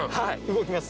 動きます。